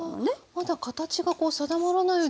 まだ形が定まらないうちに。